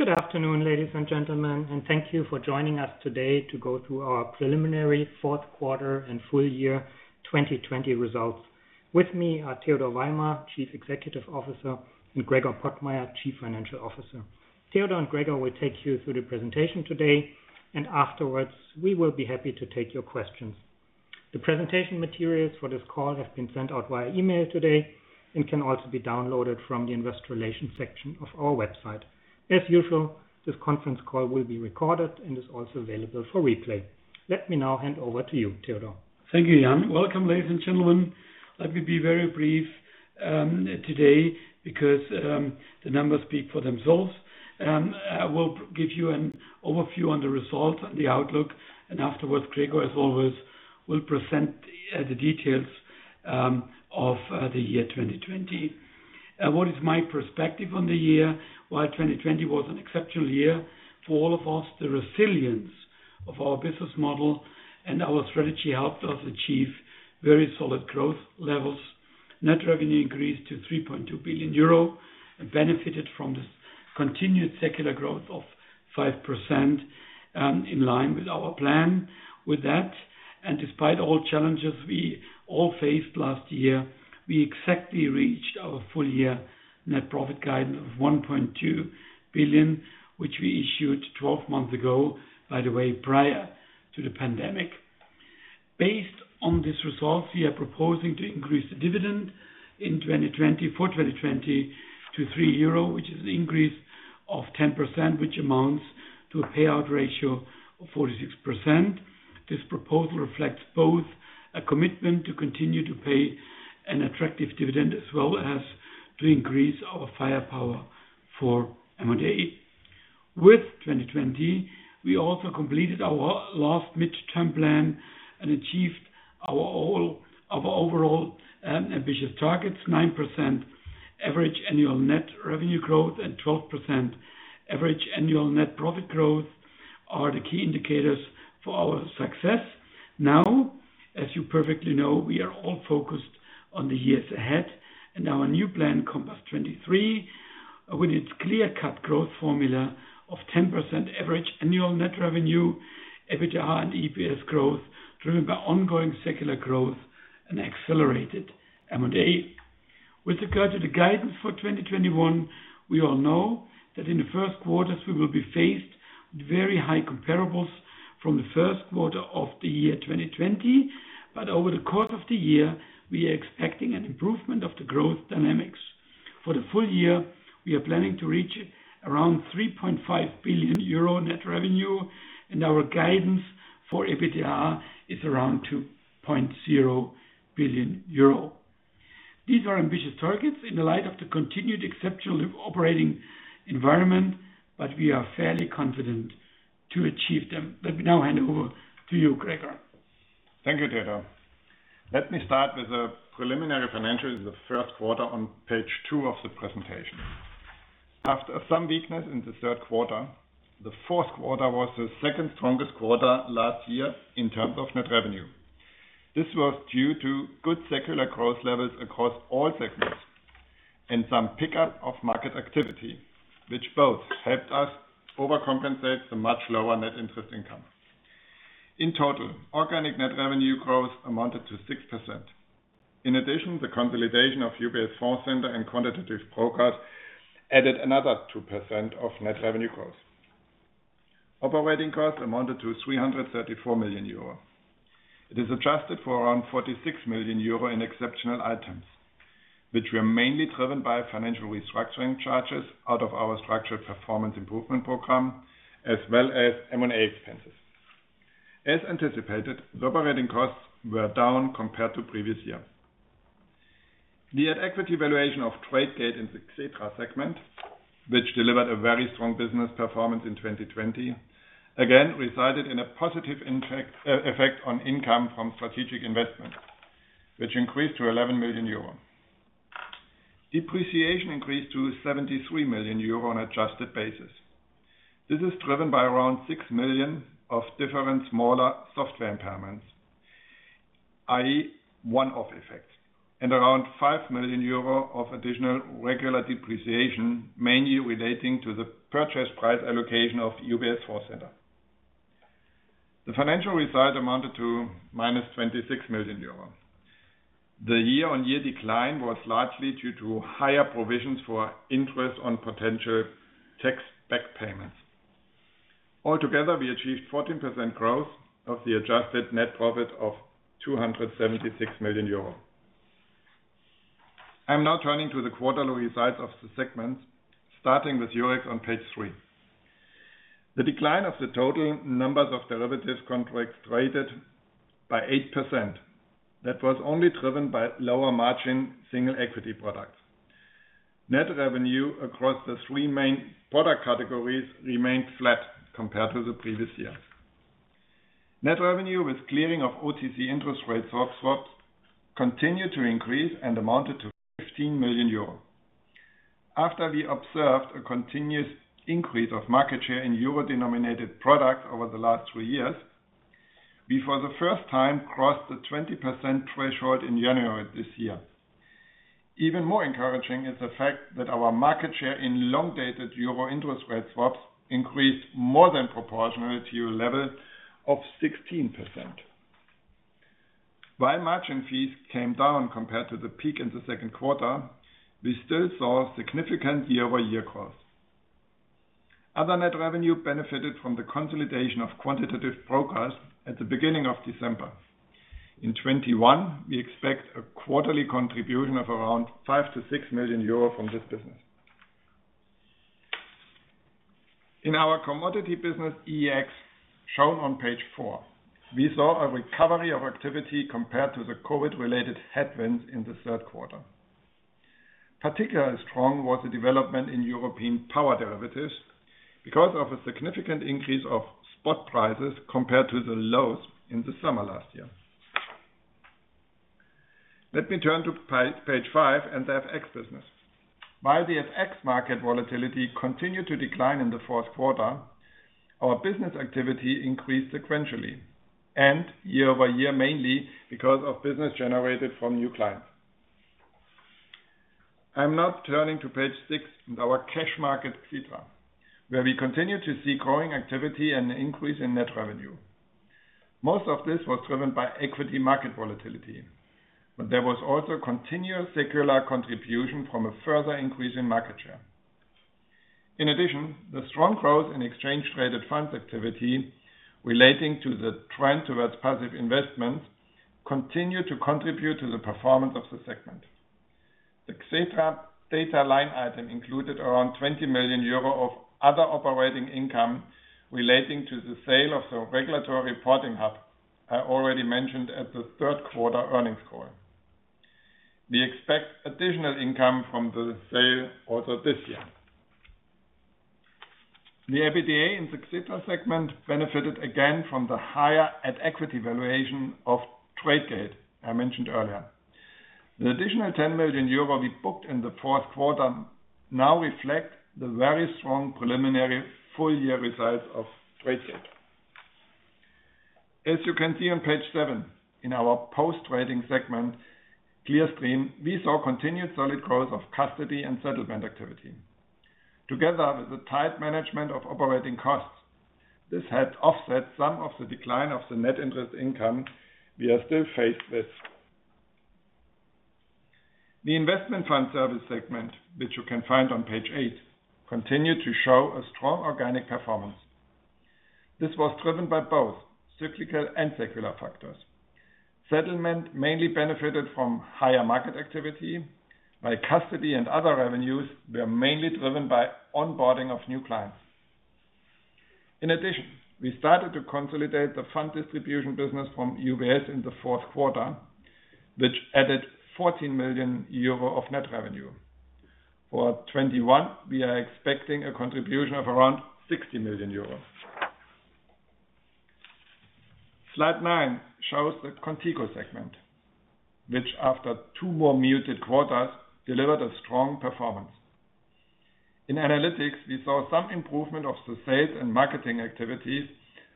Good afternoon, ladies and gentlemen, and thank you for joining us today to go through our preliminary fourth quarter and full year 2020 results. With me are Theodor Weimer, Chief Executive Officer, and Gregor Pottmeyer, Chief Financial Officer. Theodor and Gregor will take you through the presentation today, and afterwards we will be happy to take your questions. The presentation materials for this call have been sent out via email today and can also be downloaded from the investor relations section of our website. As usual, this conference call will be recorded and is also available for replay. Let me now hand over to you, Theodor. Thank you, Jan. Welcome, ladies and gentlemen. Let me be very brief today because the numbers speak for themselves. I will give you an overview on the results and the outlook, afterwards, Gregor, as always, will present the details of the year 2020. What is my perspective on the year? While 2020 was an exceptional year for all of us, the resilience of our business model and our strategy helped us achieve very solid growth levels. Net revenue increased to 3.2 billion euro and benefited from this continued secular growth of 5%, in line with our plan. With that, despite all challenges we all faced last year, we exactly reached our full year net profit guidance of 1.2 billion, which we issued 12 months ago, by the way, prior to the pandemic. Based on these results, we are proposing to increase the dividend for 2020 to 3 euro, which is an increase of 10%, which amounts to a payout ratio of 46%. This proposal reflects both a commitment to continue to pay an attractive dividend, as well as to increase our firepower for M&A. With 2020, we also completed our last midterm plan and achieved our overall ambitious targets, 9% average annual net revenue growth and 12% average annual net profit growth are the key indicators for our success. Now, as you perfectly know, we are all focused on the years ahead and our new plan, Compass 23, with its clear-cut growth formula of 10% average annual net revenue, EBITDA, and EPS growth, driven by ongoing secular growth and accelerated M&A. With regard to the guidance for 2021, we all know that in the first quarters we will be faced with very high comparables from the first quarter of the year 2020. Over the course of the year, we are expecting an improvement of the growth dynamics. For the full year, we are planning to reach around 3.5 billion euro net revenue, and our guidance for EBITDA is around 2.0 billion euro. These are ambitious targets in the light of the continued exceptional operating environment, but we are fairly confident to achieve them. Let me now hand over to you, Gregor. Thank you, Theodor. Let me start with the preliminary financials of the first quarter on page two of the presentation. After some weakness in the third quarter, the fourth quarter was the second strongest quarter last year in terms of net revenue. This was due to good secular growth levels across all segments and some pickup of market activity, which both helped us overcompensate the much lower net interest income. In total, organic net revenue growth amounted to 6%. In addition, the consolidation of UBS Fondcenter and Quantitative Brokers added another 2% of net revenue growth. Operating costs amounted to 334 million euro. It is adjusted for around 46 million euro in exceptional items, which were mainly driven by financial restructuring charges out of our structured performance improvement program, as well as M&A expenses. As anticipated, the operating costs were down compared to previous years. The at-equity valuation of Tradegate in the Xetra segment, which delivered a very strong business performance in 2020, again resulted in a positive effect on income from strategic investment, which increased to 11 million euro. Depreciation increased to 73 million euro on an adjusted basis. This is driven by around 6 million of different smaller software impairments, i.e., one-off effects, and around 5 million euro of additional regular depreciation, mainly relating to the purchase price allocation of UBS Fondcenter. The financial result amounted to -26 million euro. The year-on-year decline was largely due to higher provisions for interest on potential tax back payments. Altogether, we achieved 14% growth of the adjusted net profit of 276 million euros. I'm now turning to the quarterly results of the segments, starting with Eurex on page three. The decline of the total numbers of derivatives contracts traded by 8%. That was only driven by lower margin single equity products. Net revenue across the three main product categories remained flat compared to the previous year. Net revenue with clearing of OTC interest rate swaps continued to increase and amounted to 15 million euros. After we observed a continuous increase of market share in euro-denominated products over the last three years, we, for the first time, crossed the 20% threshold in January this year. Even more encouraging is the fact that our market share in long-dated euro interest rate swaps increased more than proportionally to a level of 16%. While margin fees came down compared to the peak in the second quarter, we still saw significant year-over-year growth. Other net revenue benefited from the consolidation of Quantitative Brokers at the beginning of December. In 2021, we expect a quarterly contribution of around 5 million-6 million euro from this business. In our commodity business, EEX, shown on page four, we saw a recovery of activity compared to the COVID-related headwinds in the third quarter. Particularly strong was the development in European power derivatives because of a significant increase of spot prices compared to the lows in the summer last year. Let me turn to page five and the FX business. While the FX market volatility continued to decline in the fourth quarter, our business activity increased sequentially and year-over-year, mainly because of business generated from new clients. I'm now turning to page six and our cash market, Xetra, where we continue to see growing activity and an increase in net revenue. Most of this was driven by equity market volatility, but there was also continued secular contribution from a further increase in market share. In addition, the strong growth in exchange-traded funds activity relating to the trend towards passive investment continued to contribute to the performance of the segment. The Xetra data line item included around 20 million euro of other operating income relating to the sale of the Regulatory Reporting Hub I already mentioned at the third quarter earnings call. We expect additional income from the sale also this year. The EBITDA in the Xetra segment benefited again from the higher at-equity valuation of Tradegate I mentioned earlier. The additional 10 million euro we booked in the fourth quarter now reflect the very strong preliminary full-year results of Tradegate. As you can see on page seven, in our post-trading segment, Clearstream, we saw continued solid growth of custody and settlement activity. Together with the tight management of operating costs, this helped offset some of the decline of the net interest income we are still faced with. The Investment Fund Services segment, which you can find on page eight, continued to show a strong organic performance. This was driven by both cyclical and secular factors. Settlement mainly benefited from higher market activity, while custody and other revenues were mainly driven by onboarding of new clients. In addition, we started to consolidate the fund distribution business from UBS in the fourth quarter, which added 14 million euro of net revenue. For 2021, we are expecting a contribution of around 60 million euros. Slide nine shows the Qontigo segment, which after two more muted quarters, delivered a strong performance. In analytics, we saw some improvement of the sales and marketing activities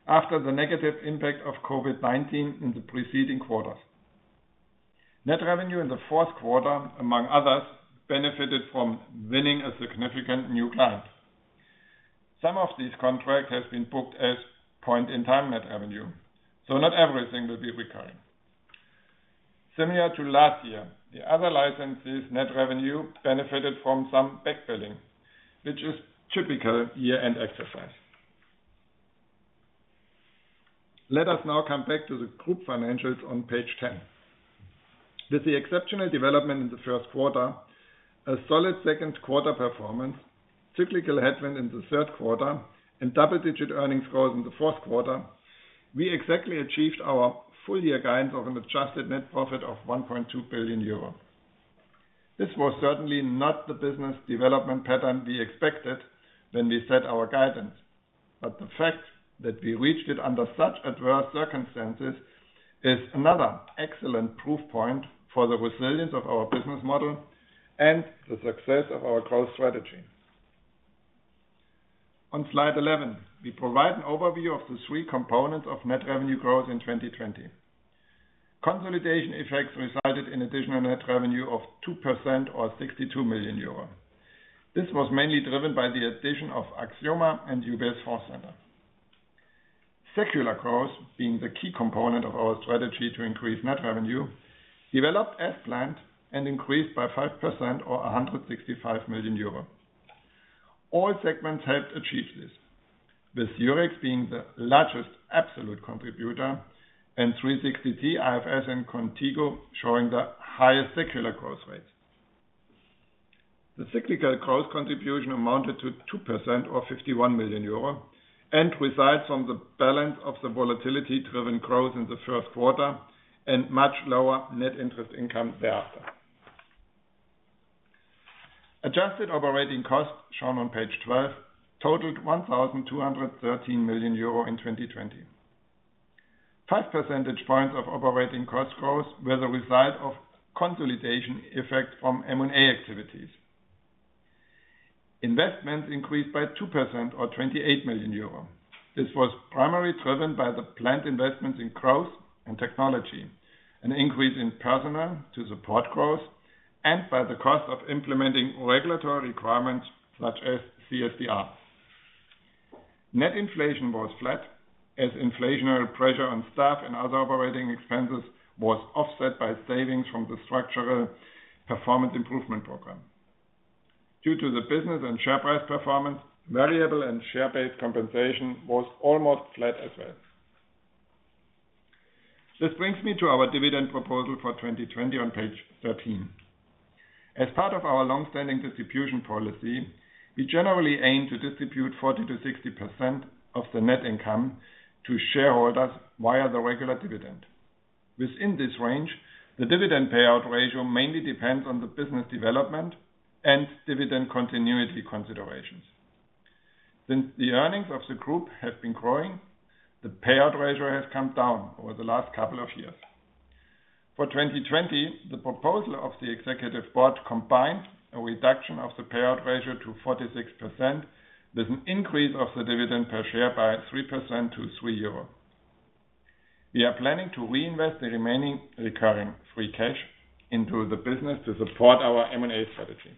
after the negative impact of COVID-19 in the preceding quarters. Net revenue in the fourth quarter, among others, benefited from winning a significant new client. Some of this contract has been booked as point-in-time net revenue, so not everything will be recurring. Similar to last year, the other licenses net revenue benefited from some backfilling, which is typical year-end exercise. Let us now come back to the group financials on page 10. With the exceptional development in the first quarter, a solid second quarter performance, cyclical headwind in the third quarter, and double-digit earnings growth in the fourth quarter, we exactly achieved our full-year guidance of an adjusted net profit of 1.2 billion euro. This was certainly not the business development pattern we expected when we set our guidance, but the fact that we reached it under such adverse circumstances is another excellent proof point for the resilience of our business model and the success of our growth strategy. On slide 11, we provide an overview of the three components of net revenue growth in 2020. Consolidation effects resulted in additional net revenue of 2% or 62 million euro. This was mainly driven by the addition of Axioma and UBS Fondcenter. Secular growth, being the key component of our strategy to increase net revenue, developed as planned and increased by 5% or 165 million euro. All segments helped achieve this, with Eurex being the largest absolute contributor and 360T, IFS, and Qontigo showing the highest secular growth rates. The cyclical growth contribution amounted to 2% or 51 million euro, and resides from the balance of the volatility-driven growth in the first quarter and much lower net interest income thereafter. Adjusted operating costs, shown on page 12, totaled 1,213 million euro in 2020. 5 percentage points of operating cost growth were the result of consolidation effect from M&A activities. Investments increased by 2% or 28 million euro. This was primarily driven by the planned investments in growth and technology, an increase in personnel to support growth, and by the cost of implementing regulatory requirements such as CSDR. Net inflation was flat as inflationary pressure on staff and other operating expenses was offset by savings from the structural performance improvement program. Due to the business and share price performance, variable and share-based compensation was almost flat as well. This brings me to our dividend proposal for 2020 on page 13. As part of our long-standing distribution policy, we generally aim to distribute 40%-60% of the net income to shareholders via the regular dividend. Within this range, the dividend payout ratio mainly depends on the business development and dividend continuity considerations. Since the earnings of the group have been growing, the payout ratio has come down over the last couple of years. For 2020, the proposal of the executive board combined a reduction of the payout ratio to 46%, with an increase of the dividend per share by 3% to 3 euro. We are planning to reinvest the remaining recurring free cash into the business to support our M&A strategy.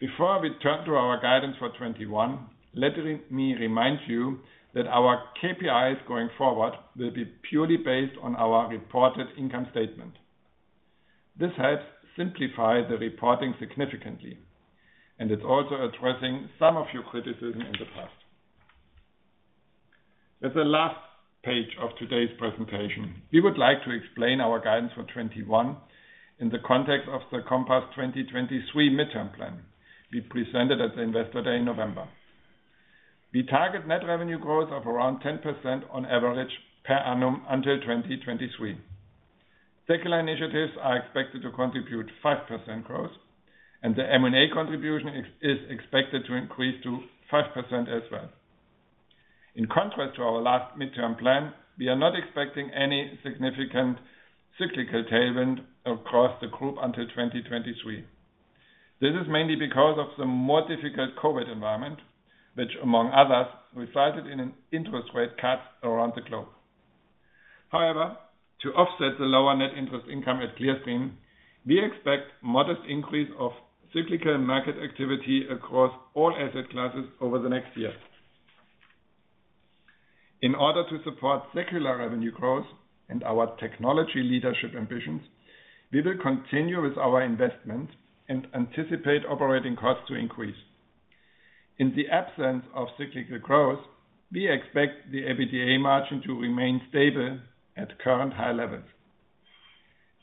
Before we turn to our guidance for 2021, let me remind you that our KPIs going forward will be purely based on our reported income statement. This helps simplify the reporting significantly, and it's also addressing some of your criticism in the past. As the last page of today's presentation, we would like to explain our guidance for 2021 in the context of the Compass 2023 midterm plan we presented at the Investor Day in November. We target net revenue growth of around 10% on average per annum until 2023. Secular initiatives are expected to contribute 5% growth, and the M&A contribution is expected to increase to 5% as well. In contrast to our last midterm plan, we are not expecting any significant cyclical tailwind across the group until 2023. This is mainly because of the more difficult COVID environment, which among others, resulted in an interest rate cut around the globe. However, to offset the lower net interest income at Clearstream, we expect modest increase of cyclical market activity across all asset classes over the next year. In order to support secular revenue growth and our technology leadership ambitions, we will continue with our investments and anticipate operating costs to increase. In the absence of cyclical growth, we expect the EBITDA margin to remain stable at current high levels.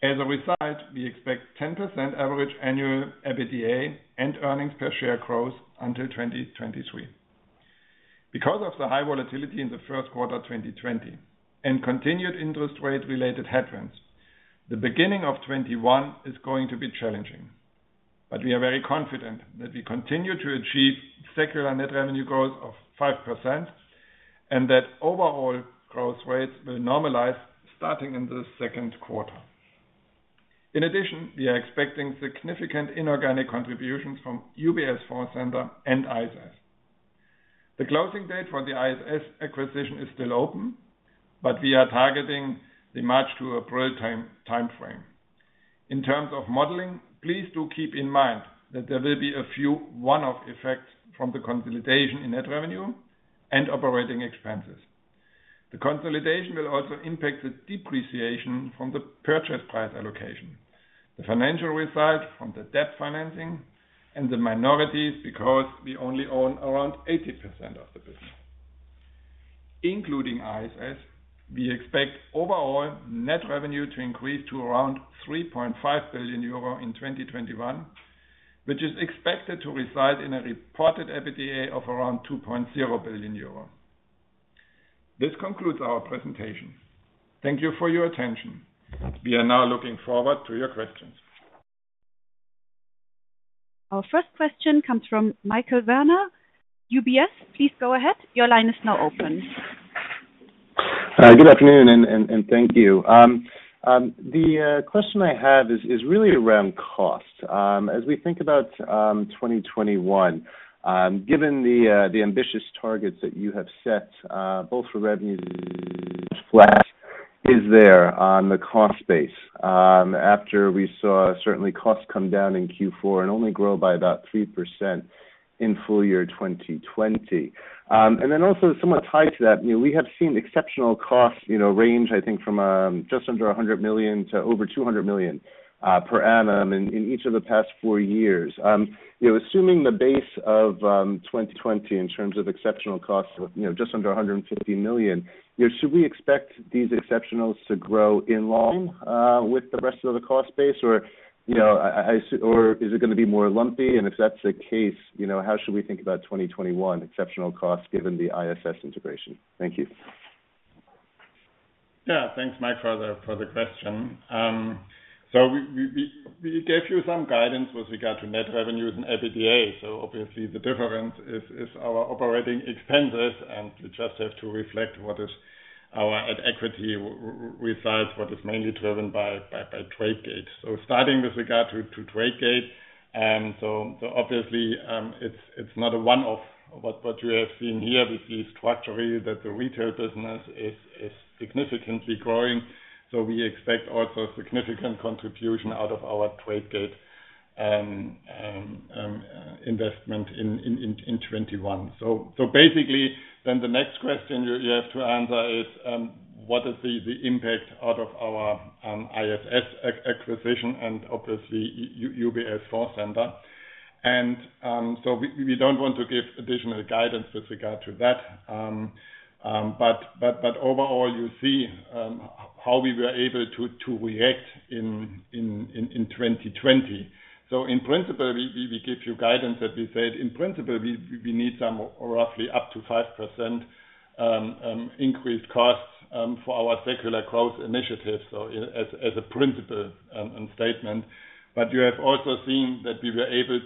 As a result, we expect 10% average annual EBITDA and earnings per share growth until 2023. Because of the high volatility in the first quarter 2020 and continued interest rate-related headwinds, the beginning of 2021 is going to be challenging. We are very confident that we continue to achieve secular net revenue growth of 5% and that overall growth rates will normalize starting in the second quarter. In addition, we are expecting significant inorganic contributions from UBS Fondcenter and ISS. The closing date for the ISS acquisition is still open, but we are targeting the March to April time frame. In terms of modeling, please do keep in mind that there will be a few one-off effects from the consolidation in net revenue and operating expenses. The consolidation will also impact the depreciation from the purchase price allocation, the financial result from the debt financing, and the minorities because we only own around 80% of the business. Including ISS, we expect overall net revenue to increase to around 3.5 billion euro in 2021, which is expected to result in a reported EBITDA of around 2.0 billion euro. This concludes our presentation. Thank you for your attention. We are now looking forward to your questions. Our first question comes from Michael Werner, UBS. Please go ahead. Your line is now open. Good afternoon, and thank you. The question I have is really around cost. As we think about 2021, given the ambitious targets that you have set both for revenue is there on the cost base after we saw certainly costs come down in Q4 and only grow by about 3% in full year 2020? Somewhat tied to that, we have seen exceptional costs range, I think from just under 100 million-over 200 million per annum in each of the past four years. Assuming the base of 2020 in terms of exceptional costs of just under 150 million, should we expect these exceptionals to grow in line with the rest of the cost base, or is it going to be more lumpy? If that's the case, how should we think about 2021 exceptional costs given the ISS integration? Thank you. Yeah. Thanks, Mike, for the question. We gave you some guidance with regard to net revenues and EBITDA. Obviously the difference is our operating expenses, and we just have to reflect what is our at-equity result, what is mainly driven by Tradegate. Starting with regard to Tradegate, obviously, it's not a one-off. What you have seen here, we see structurally that the retail business is significantly growing. We expect also significant contribution out of our Tradegate investment in 2021. The next question you have to answer is, what is the impact out of our ISS acquisition and obviously, UBS Fondcenter. We don't want to give additional guidance with regard to that. Overall, you see how we were able to react in 2020. In principle, we give you guidance that we said, in principle, we need some roughly up to 5% increased costs for our secular growth initiatives, as a principle and statement. You have also seen that we were able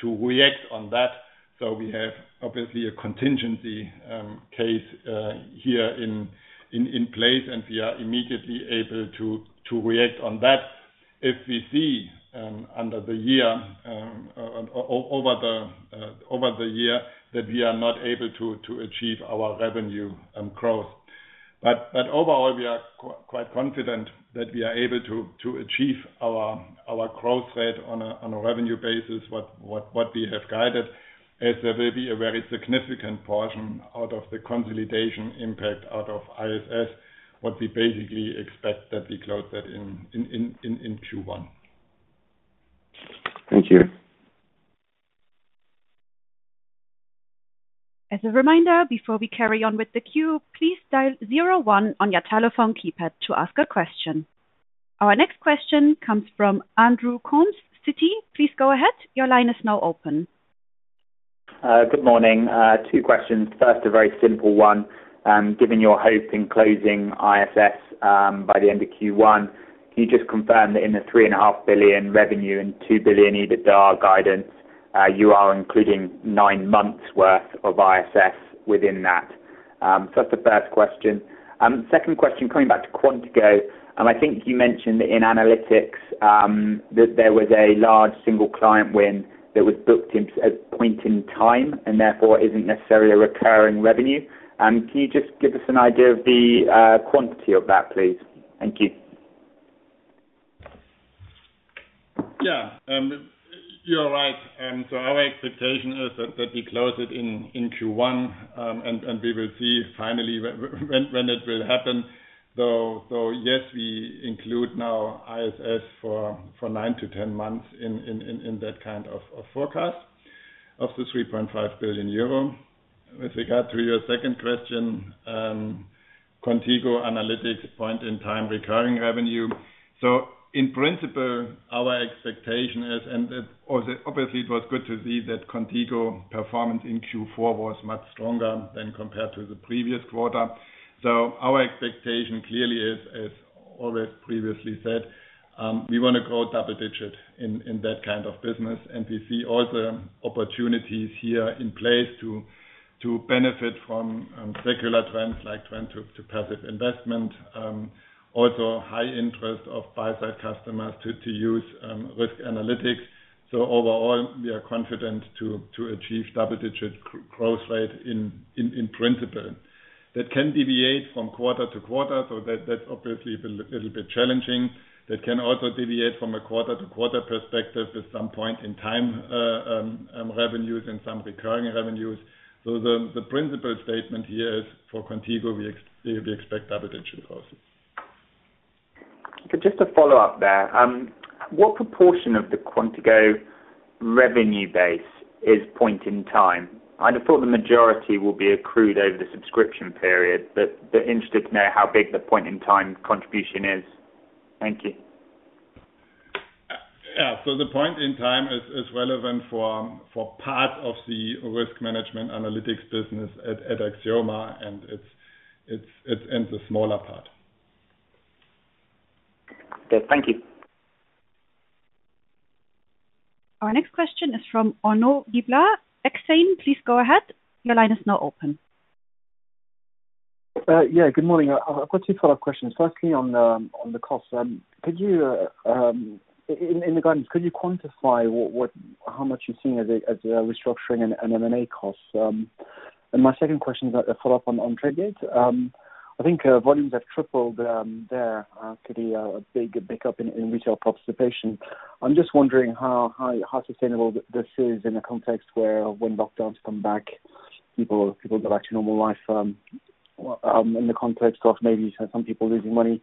to react on that. We have obviously a contingency case here in place, and we are immediately able to react on that if we see over the year that we are not able to achieve our revenue and growth. Overall, we are quite confident that we are able to achieve our growth rate on a revenue basis, what we have guided, as there will be a very significant portion out of the consolidation impact out of ISS, what we basically expect that we close that in Q1. Thank you. As a reminder, before we carry on with the queue, please dial zero one on your telephone keypad to ask a question. Our next question comes from Andrew Coombs, Citi. Please go ahead. Good morning. Two questions. First, a very simple one. Given your hope in closing ISS by the end of Q1, can you just confirm that in the 3.5 billion revenue and 2 billion EBITDA guidance, you are including nine months worth of ISS within that? That's the first question. Second question, coming back to Qontigo, I think you mentioned in Analytics that there was a large single client win that was booked in a point in time and therefore isn't necessarily a recurring revenue. Can you just give us an idea of the quantity of that, please? Thank you. Yeah. You're right. Our expectation is that we close it in Q1, and we will see finally when it will happen. Yes, we include now ISS for 9-10 months in that kind of forecast of the 3.5 billion euro. With regard to your second question, Qontigo Analytics point in time recurring revenue. In principle, our expectation is, and obviously it was good to see that Qontigo performance in Q4 was much stronger than compared to the previous quarter. Our expectation clearly is, as already previously said, we want to grow double digit in that kind of business. We see all the opportunities here in place to benefit from secular trends like trend to passive investment, also high interest of buy-side customers to use risk analytics. Overall, we are confident to achieve double-digit growth rate in principle. That can deviate from quarter-to-quarter, so that's obviously a little bit challenging. That can also deviate from a quarter-to-quarter perspective with some point in time revenues and some recurring revenues. The principle statement here is for Qontigo, we expect double-digit growth. Just to follow up there, what proportion of the Qontigo revenue base is point in time? I'd have thought the majority will be accrued over the subscription period, but interested to know how big the point in time contribution is. Thank you. Yeah. The point in time is relevant for part of the risk management analytics business at Axioma, and it's in the smaller part. Okay. Thank you. Our next question is from Arnaud Giblat, Exane. Please go ahead. Your line is now open. Yeah, good morning. I've got two follow-up questions. Firstly, on the cost. In the guidance, could you quantify how much you're seeing as a restructuring and M&A cost? My second question is a follow-up on Tradegate. I think volumes have tripled there, clearly a big pickup in retail participation. I'm just wondering how sustainable this is in a context where when lockdowns come back, people go back to normal life, in the context of maybe some people losing money.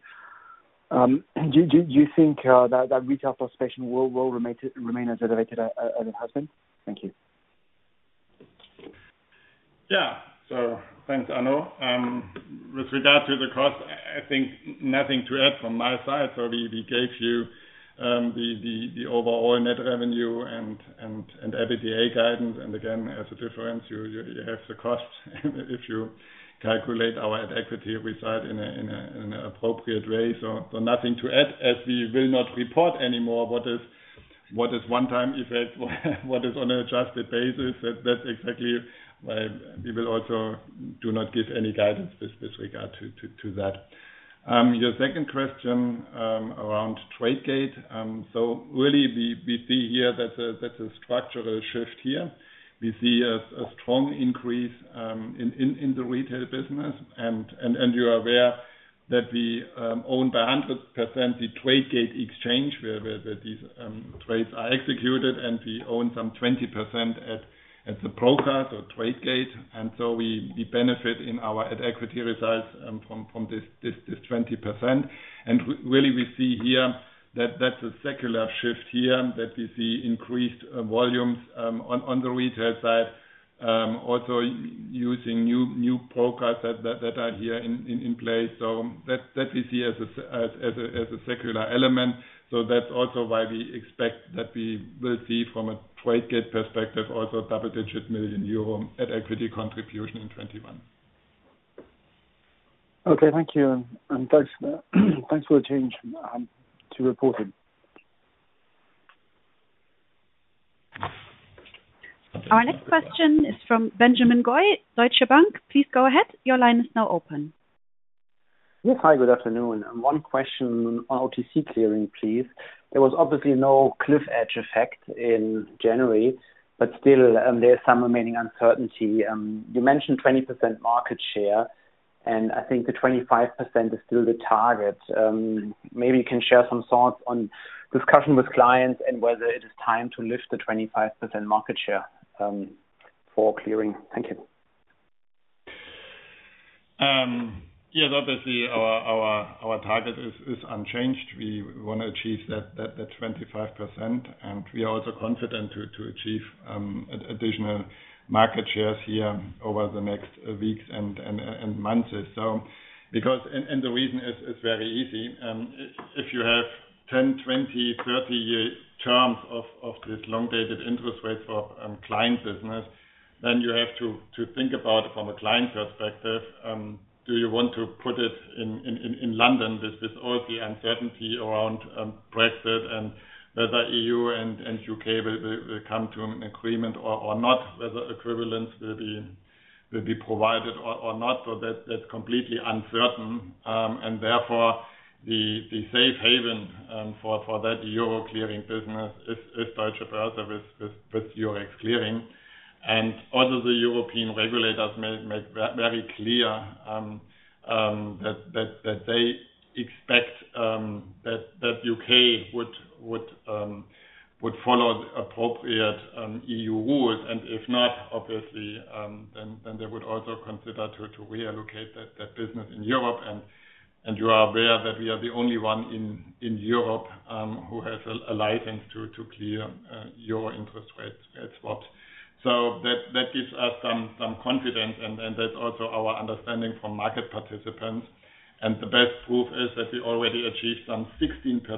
Do you think that retail participation will remain as elevated as it has been? Thank you. Thanks, Arnaud. With regard to the cost, I think nothing to add from my side. We gave you the overall net revenue and EBITDA guidance. Again, as a difference, you have the cost if you calculate our at-equity result in an appropriate way. Nothing to add as we will not report anymore what is one time effect, what is on an adjusted basis? That's exactly why we will also do not give any guidance with regard to that. Your second question around Tradegate. Really we see here that's a structural shift here. We see a strong increase in the retail business, and you are aware that we own 100% the Tradegate exchange, where these trades are executed, and we own some 20% at the broker, so Tradegate. We benefit in our at-equity results from this 20%. Really we see here that that's a secular shift here, that we see increased volumes on the retail side. Also using new brokers that are here in place. That we see as a secular element. That's also why we expect that we will see from a Tradegate perspective also double-digit million EUR at-equity contribution in 2021. Okay. Thank you, and thanks for the change to reporting. Our next question is from Benjamin Goy, Deutsche Bank. Please go ahead. Your line is now open. Yes. Hi, good afternoon. One question on OTC clearing, please. There was obviously no cliff edge effect in January, but still there's some remaining uncertainty. You mentioned 20% market share, and I think the 25% is still the target. Maybe you can share some thoughts on discussion with clients and whether it is time to lift the 25% market share for clearing. Thank you. Yes. Obviously our target is unchanged. We want to achieve that 25%. We are also confident to achieve additional market shares here over the next weeks and months. The reason is very easy. If you have 10, 20, 30-year terms of this long-dated interest rates of client business, then you have to think about it from a client perspective. Do you want to put it in London with all the uncertainty around Brexit and whether EU and U.K. will come to an agreement or not, whether equivalence will be provided or not? That's completely uncertain. Therefore, the safe haven for that euro clearing business is Deutsche Börse with Eurex Clearing. Also the European regulators made very clear that they expect that U.K. would follow the appropriate EU rules, and if not, obviously, then they would also consider to reallocate that business in Europe. You are aware that we are the only one in Europe who has a license to clear euro interest rate swaps. That gives us some confidence, and that's also our understanding from market participants. The best proof is that we already achieved some 16%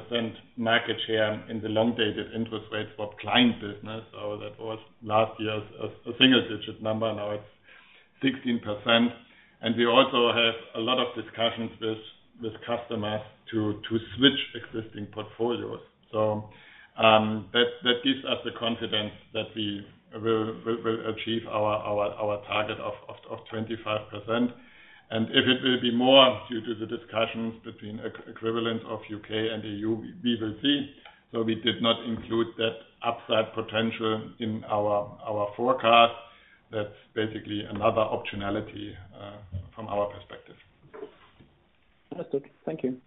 market share in the long-dated interest rates for client business. That was last year's a single-digit number. Now it's 16%. We also have a lot of discussions with customers to switch existing portfolios. That gives us the confidence that we will achieve our target of 25%. If it will be more due to the discussions between equivalence of U.K. and EU, we will see. We did not include that upside potential in our forecast. That's basically another optionality from our perspective. Understood. Thank you.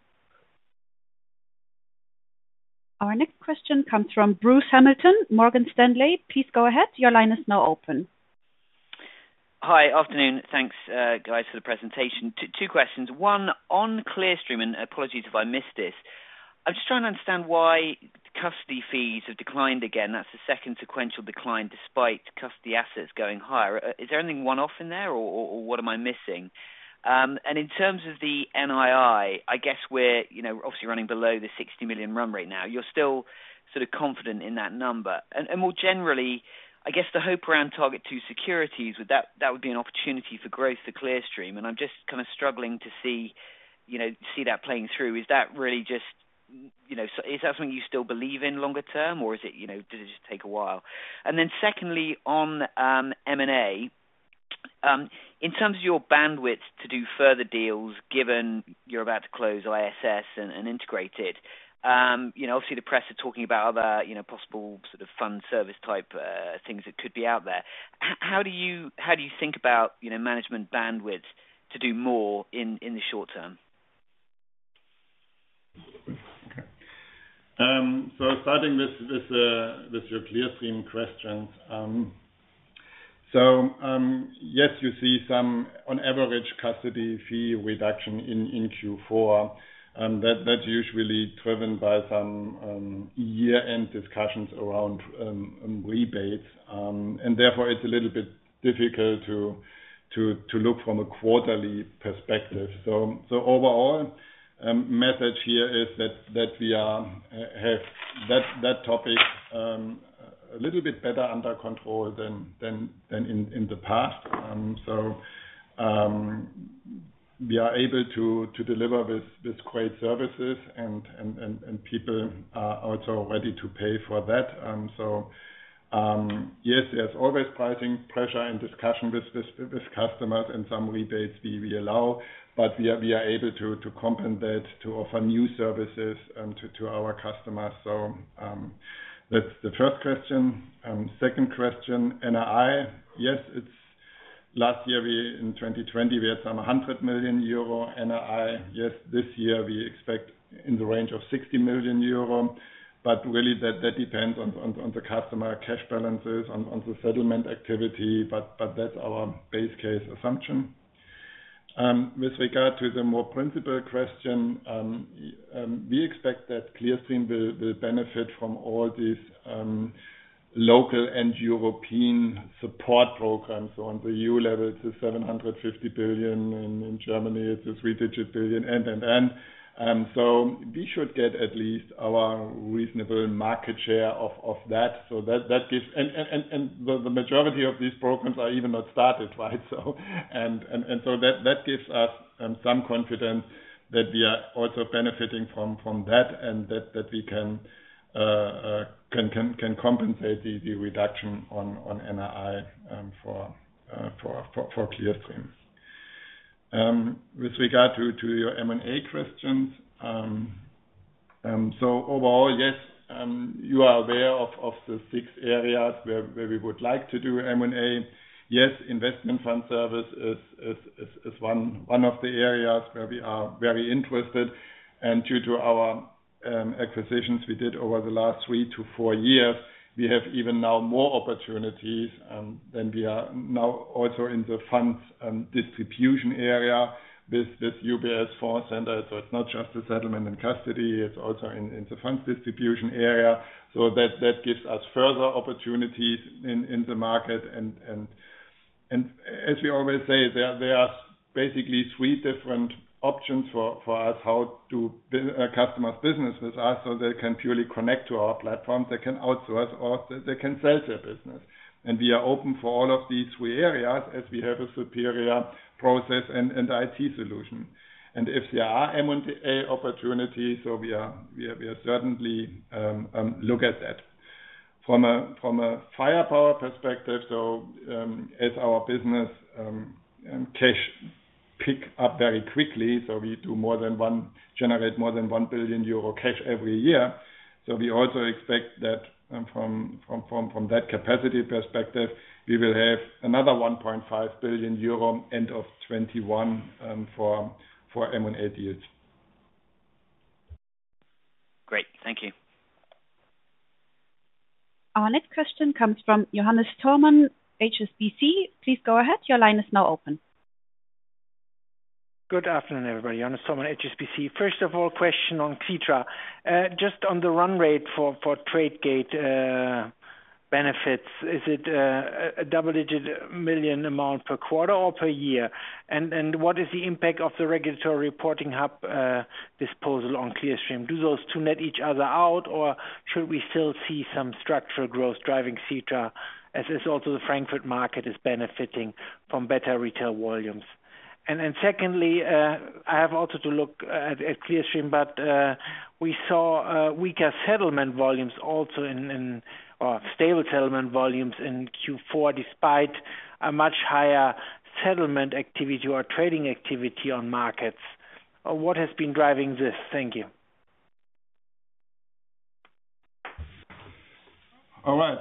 Our next question comes from Bruce Hamilton, Morgan Stanley. Please go ahead, your line is now open. Hi. Afternoon. Thanks guys for the presentation. Two questions. One on Clearstream, apologies if I missed this. I'm just trying to understand why custody fees have declined again. That's the second sequential decline despite custody assets going higher. Is there anything one-off in there, or what am I missing? In terms of the NII, I guess we're obviously running below the 60 million run rate now. You're still sort of confident in that number. More generally, I guess the hope around TARGET2-Securities, that would be an opportunity for growth for Clearstream, and I'm just kind of struggling to see that playing through. Is that something you still believe in longer term, or does it just take a while? Secondly, on M&A, in terms of your bandwidth to do further deals, given you're about to close ISS and integrate it. Obviously the press are talking about other possible sort of fund service type things that could be out there. How do you think about management bandwidth to do more in the short term? Okay. Starting with your Clearstream questions. Yes, you see some on average custody fee reduction in Q4, that's usually driven by some year-end discussions around rebates. Therefore it's a little bit difficult to look from a quarterly perspective. Overall, message here is that we have that topic a little bit better under control than in the past. We are able to deliver these great services, and people are also ready to pay for that. Yes, there's always pricing pressure and discussion with customers and some rebates we allow, but we are able to compensate to offer new services to our customers. That's the first question. Second question, NII. Yes, last year in 2020, we had some 100 million euro NII. Yes, this year we expect in the range of 60 million euro. Really, that depends on the customer cash balances, on the settlement activity, but that's our base case assumption. With regard to the more principal question, we expect that Clearstream will benefit from all these local and European support programs. On the E.U. level, it's 750 billion, and in Germany, it's a EUR three-digit billion. We should get at least our reasonable market share of that. The majority of these programs are even not started. That gives us some confidence that we are also benefiting from that, and that we can compensate the reduction on NII for Clearstream. With regard to your M&A questions. Overall, yes, you are aware of the six areas where we would like to do M&A. Yes, Investment Fund Services is one of the areas where we are very interested. Due to our acquisitions we did over the last three to four years, we have even now more opportunities, than we are now also in the funds distribution area with UBS Fund Center. It's not just the settlement and custody, it's also in the funds distribution area. That gives us further opportunities in the market. As we always say, there are basically three different options for us how to build a customer's business with us, so they can purely connect to our platform. They can outsource, or they can sell their business. We are open for all of these three areas as we have a superior process and IT solution. If there are M&A opportunities, so we are certainly look at that. From a firepower perspective, as our business cash pick up very quickly, we generate more than 1 billion euro cash every year. We also expect that from that capacity perspective, we will have another 1.5 billion euro end of 2021 for M&A deals. Great. Thank you. Our next question comes from Johannes Thormann, HSBC. Please go ahead. Your line is now open. Good afternoon, everybody. Johannes Thormann, HSBC. First of all, question on Clearstream. Just on the run rate for Tradegate benefits. Is it a double-digit million amount per quarter or per year? What is the impact of the Regulatory Reporting Hub disposal on Clearstream? Do those two net each other out, or should we still see some structural growth driving Clearstream, as also the Frankfurt market is benefiting from better retail volumes? Secondly, I have also to look at Clearstream, but we saw weaker settlement volumes or stable settlement volumes in Q4, despite a much higher settlement activity or trading activity on markets. What has been driving this? Thank you. All right.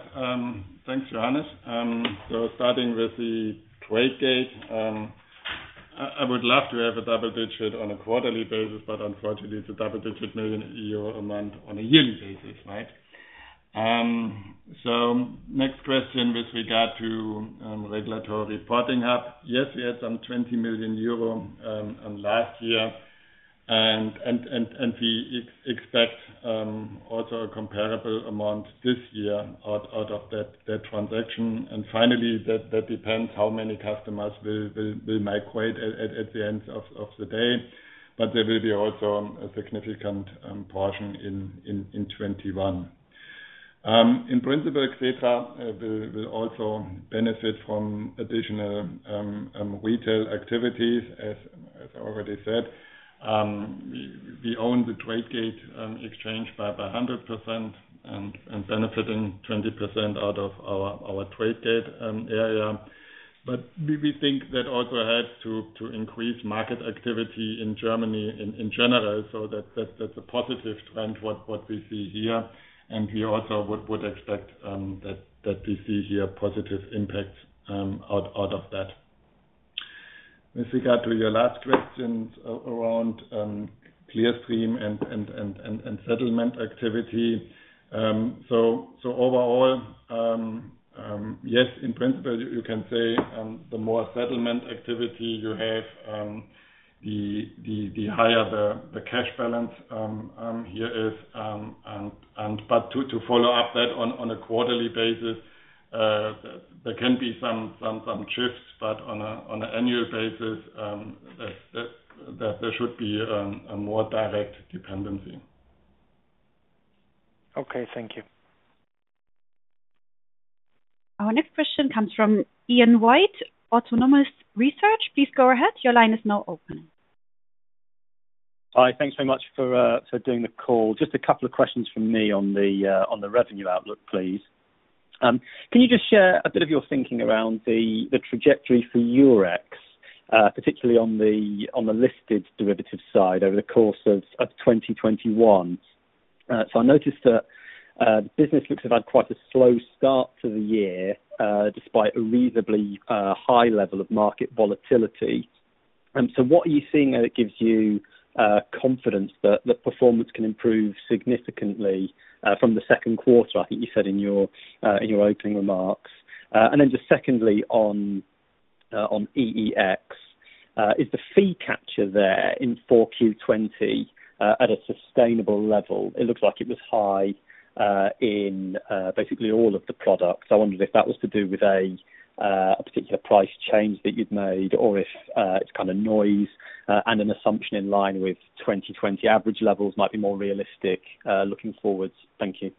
Thanks, Johannes. Starting with the Tradegate. I would love to have a double-digit on a quarterly basis, but unfortunately, it's a double-digit million euro amount on a yearly basis. Next question with regard to Regulatory Reporting Hub. Yes, we had some 20 million euro on last year, and we expect also a comparable amount this year out of that transaction. Finally, that depends how many customers will migrate at the end of the day. There will be also a significant portion in 2021. In principle, Clearstream will also benefit from additional retail activities. As I already said, we own the Tradegate exchange by 100% and benefiting 20% out of our Tradegate area. We think that also helps to increase market activity in Germany in general. That's a positive trend, what we see here. We also would expect that we see here positive impacts out of that. With regard to your last questions around Clearstream and settlement activity, overall, yes, in principle, you can say the more settlement activity you have, the higher the cash balance here is. To follow up that on a quarterly basis., there can be some shifts, but on an annual basis, there should be a more direct dependency. Okay. Thank you. Our next question comes from Ian White, Autonomous Research. Please go ahead. Your line is now open. Hi. Thanks very much for doing the call. Just a couple of questions from me on the revenue outlook, please. Can you just share a bit of your thinking around the trajectory for Eurex, particularly on the listed derivative side over the course of 2021? I noticed that the business looks to have had quite a slow start to the year, despite a reasonably high level of market volatility. What are you seeing that gives you confidence that the performance can improve significantly from the second quarter, I think you said in your opening remarks. Just secondly, on EEX, is the fee capture there in 4Q 2020 at a sustainable level? It looks like it was high in basically all of the products. I wondered if that was to do with a particular price change that you'd made or if it's kind of noise, and an assumption in line with 2020 average levels might be more realistic looking forward. Thank you.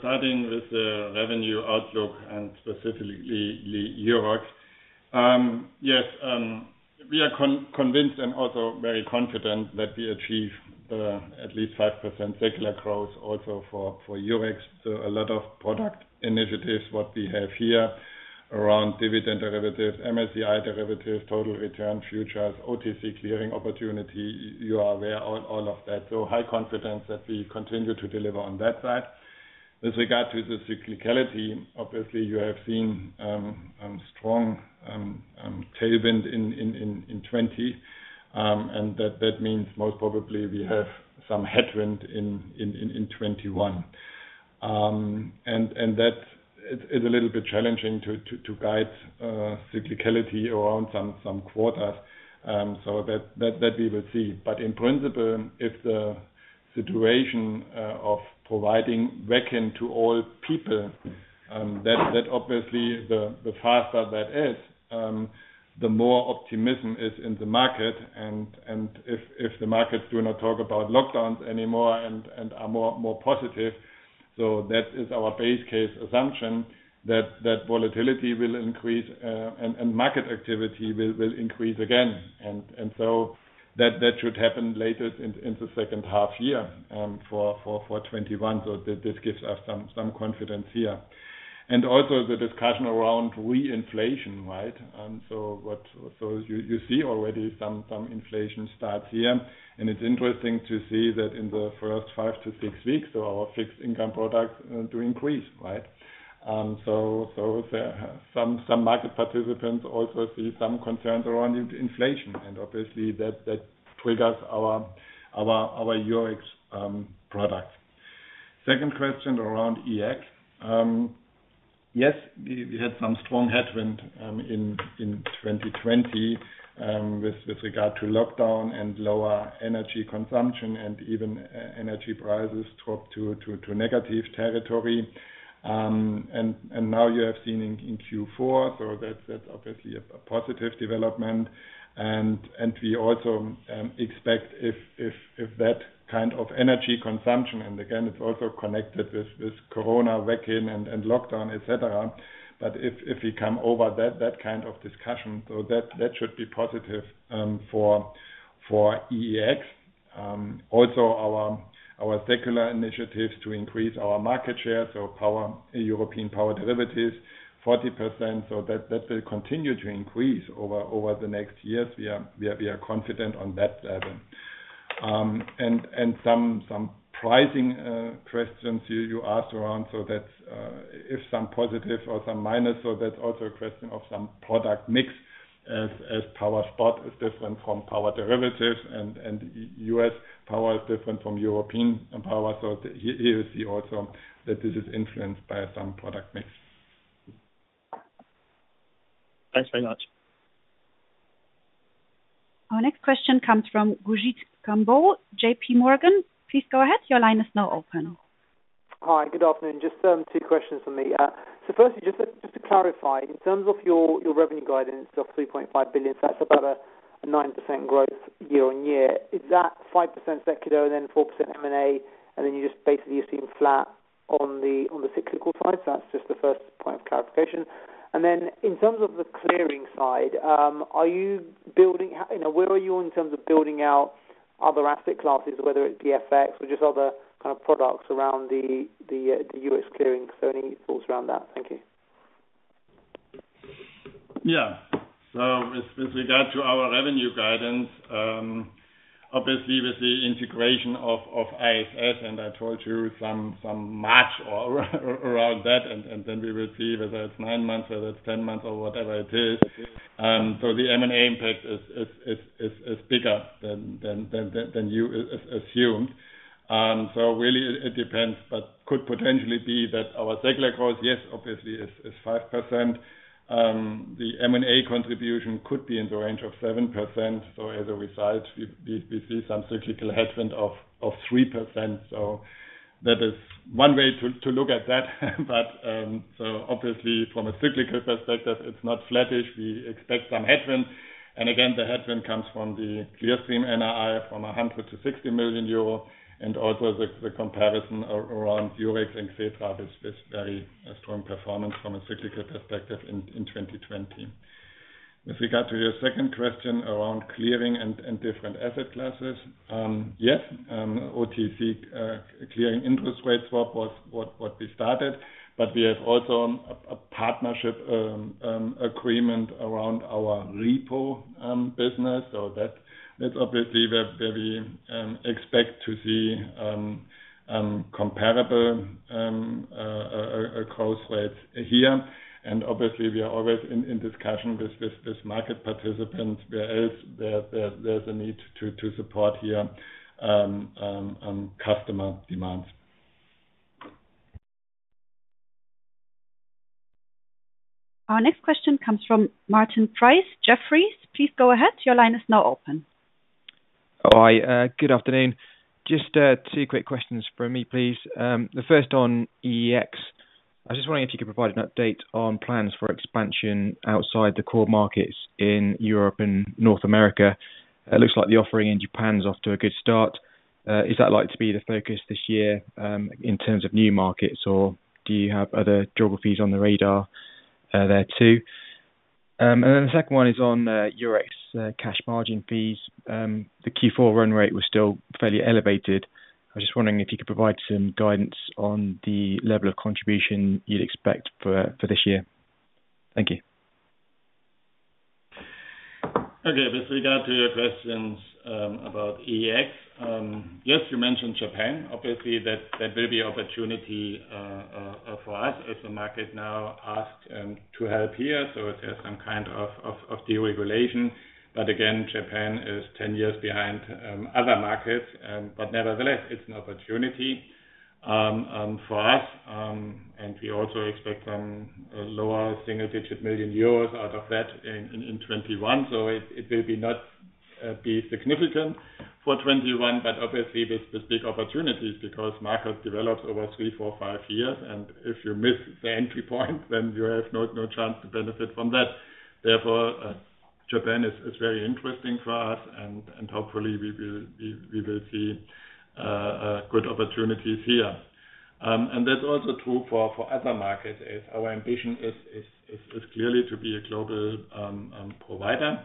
Starting with the revenue outlook, and specifically Eurex, yes, we are convinced and also very confident that we achieve at least 5% secular growth also for Eurex. A lot of product initiatives, what we have here around dividend derivatives, MSCI derivatives, total return futures, OTC clearing opportunity. You are aware all of that. High confidence that we continue to deliver on that side. With regard to the cyclicality, obviously, you have seen strong tailwind in 2020, and that means most probably we have some headwind in 2021. That is a little bit challenging to guide cyclicality around some quarters. That we will see. In principle, if the situation of providing vaccine to all people, that obviously the faster that is, the more optimism is in the market. If the markets do not talk about lockdowns anymore and are more positive, that is our base case assumption that volatility will increase, and market activity will increase again. That should happen later in the second half year for 2021. This gives us some confidence here. Also the discussion around re-inflation, right? You see already some inflation starts here, and it's interesting to see that in the first five to six weeks, our fixed income products do increase, right? Some market participants also see some concerns around inflation, and obviously that triggers our Eurex product. Second question around EEX. Yes, we had some strong headwind in 2020, with regard to lockdown and lower energy consumption, and even energy prices dropped to negative territory. Now you have seen in Q4, that's obviously a positive development. We also expect if that kind of energy consumption, and again, it's also connected with this COVID vaccine and lockdown, etc, but if we come over that kind of discussion, so that should be positive for EEX. Also, our secular initiatives to increase our market share, so European power derivatives, 40%. That will continue to increase over the next years. We are confident on that level. Some pricing questions you asked around, so that's if some positive or some minus, so that's also a question of some product mix as power spot is different from power derivatives, and U.S. power is different from European power. Here you see also that this is influenced by some product mix. Thanks very much. Our next question comes from Gurjit Kambo, JPMorgan. Please go ahead. Your line is now open. Hi. Good afternoon. Just two questions from me. Firstly, just to clarify, in terms of your revenue guidance of 3.5 billion, that's about a 9% growth year-over-year, s that 5% secular and then 4% M&A, and then you just basically you're seeing flat on the cyclical side? That's just the first point of clarification. In terms of the clearing side, where are you in terms of building out other asset classes, whether it's FX or just other kind of products around the US clearing? Any thoughts around that? With regard to our revenue guidance, obviously with the integration of ISS, and I told you some much around that, and then we will see whether it is nine months, whether it is 10 months or whatever it is. The M&A impact is bigger than you assumed. Really it depends, but could potentially be that our secular growth, yes, obviously is 5%. The M&A contribution could be in the range of 7%. As a result, we see some cyclical headwind of 3%. That is one way to look at that. Obviously from a cyclical perspective, it is not flattish. We expect some headwind, and again, the headwind comes from the Clearstream NII from 100 million to 60 million euro, and also the comparison around Eurex and Xetra is very strong performance from a cyclical perspective in 2020. With regard to your second question around clearing and different asset classes. Yes, OTC clearing interest rate swap was what we started, but we have also a partnership agreement around our repo business. That's obviously where we expect to see comparable cross rates here, and obviously we are always in discussion with these market participants where there's a need to support here on customer demands. Our next question comes from Martin Price, Jefferies. Please go ahead. Your line is now open. Hi. Good afternoon. Just two quick questions from me, please. The first on EEX. I was just wondering if you could provide an update on plans for expansion outside the core markets in Europe and North America. It looks like the offering in Japan is off to a good start. Is that likely to be the focus this year, in terms of new markets, or do you have other geographies on the radar there too? The second one is on Eurex cash margin fees. The Q4 run rate was still fairly elevated. I was just wondering if you could provide some guidance on the level of contribution you'd expect for this year. Thank you. Okay. With regard to your questions about EEX, yes, you mentioned Japan. Obviously that will be an opportunity for us as the market now asks to help here. There's some kind of deregulation, but again, Japan is 10 years behind other markets. Nevertheless, it's an opportunity for us, and we also expect some lower single-digit million EUR out of that in 2021. It will not be significant for 2021, but obviously there's the big opportunities because markets develop over three, four, five years, and if you miss the entry point, then you have no chance to benefit from that. Japan is very interesting for us, and hopefully we will see good opportunities here. That's also true for other markets. Our ambition is clearly to be a global provider.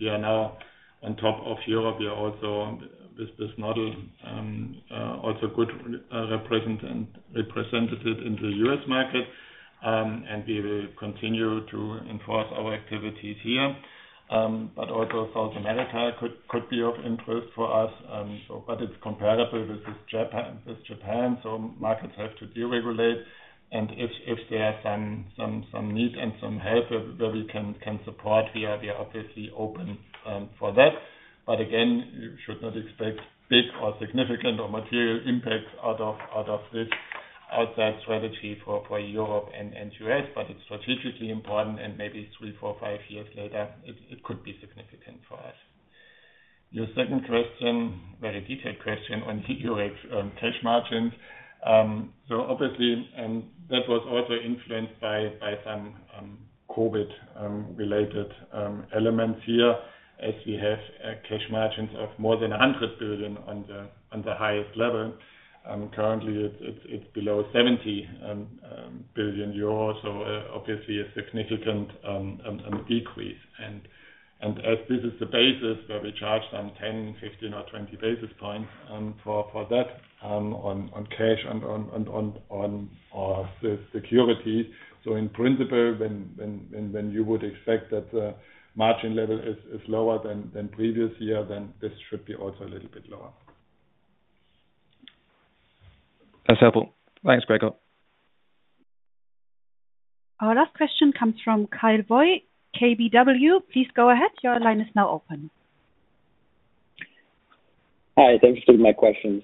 We are now on top of Europe. We are also, with this model, also good represented in the U.S. market, and we will continue to enforce our activities here. Also South America could be of interest for us. It's comparable with Japan, markets have to deregulate, if there are some needs and some help where we can support here, we are obviously open for that. Again, you should not expect big or significant or material impact out of this outside strategy for Europe and U.S., it's strategically important, maybe three, four, five years later, it could be significant for us. Your second question, very detailed question on Eurex cash margins. Obviously, that was also influenced by some COVID-related elements here, as we have cash margins of more than 100 billion on the highest level. Currently it's below 70 billion euros, obviously a significant decrease. As this is the basis where we charge some 10, 15, or 20 basis points for that on cash and on security. In principle, when you would expect that the margin level is lower than previous year, then this should be also a little bit lower. That's helpful. Thanks, Gregor. Our last question comes from Kyle Voigt, KBW. Please go ahead. Your line is now open. Hi, thanks for taking my questions.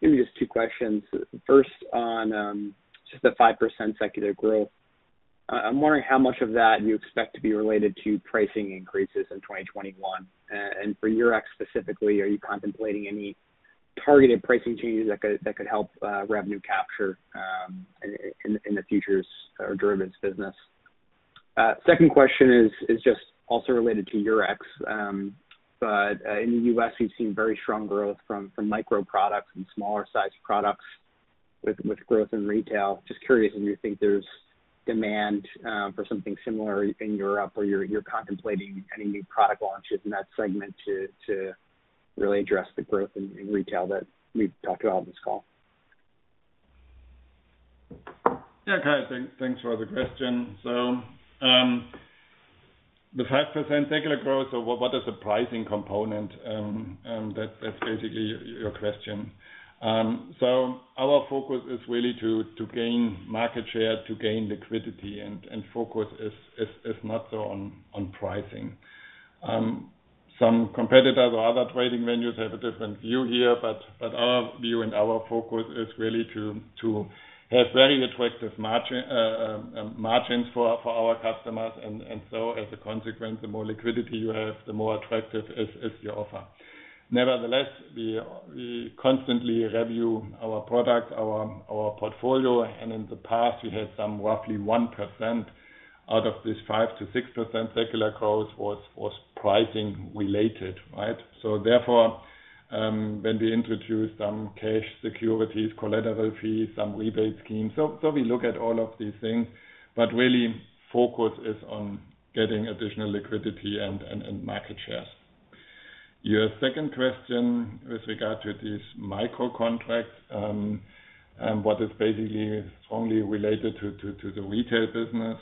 Give me just two questions. First on just the 5% secular growth. I'm wondering how much of that you expect to be related to pricing increases in 2021. For Eurex specifically, are you contemplating any targeted pricing changes that could help revenue capture in the futures or derivatives business? Second question is just also related to Eurex. In the U.S. we've seen very strong growth from micro products and smaller sized products with growth in retail. Just curious if you think there's demand for something similar in Europe, or you're contemplating any new product launches in that segment to really address the growth in retail that we've talked about on this call. Yeah, Kyle, thanks for the question. The 5% secular growth, so what is the pricing component? That's basically your question. Our focus is really to gain market share, to gain liquidity, and focus is not so on pricing. Some competitors or other trading venues have a different view here, but our view and our focus is really to have very attractive margins for our customers. As a consequence, the more liquidity you have, the more attractive is the offer. Nevertheless, we constantly review our product, our portfolio, and in the past we had some roughly 1% out of this 5%-6% secular growth was pricing related. Therefore, when we introduce some cash securities, collateral fees, some rebate schemes. We look at all of these things, but really focus is on getting additional liquidity and market share. Your second question with regard to this micro contract, and what is basically strongly related to the retail business.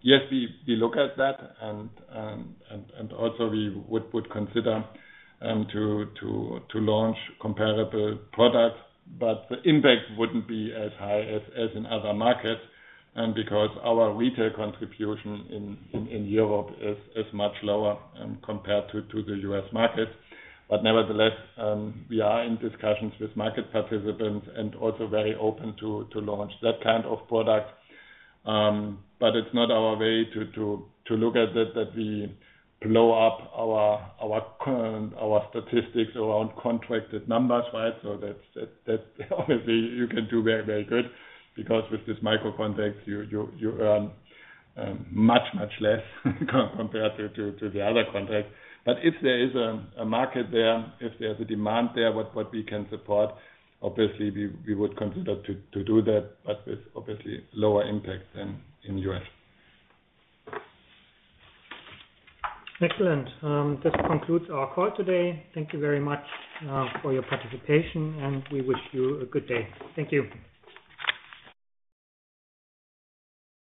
Yes, we look at that, and also we would consider to launch comparable products, but the impact wouldn't be as high as in other markets, and because our retail contribution in Europe is much lower compared to the U.S. market. Nevertheless, we are in discussions with market participants and also very open to launch that kind of product. It's not our way to look at that we blow up our statistics around contracted numbers. That obviously you can do very good because with this micro contracts, you earn much less compared to the other contracts. If there is a market there, if there is a demand there, what we can support, obviously, we would consider to do that, but with obviously lower impact than in U.S. Excellent. This concludes our call today. Thank you very much for your participation, and we wish you a good day. Thank you.